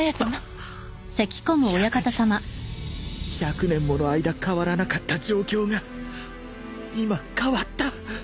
１００年１００年もの間変わらなかった状況が今変わった！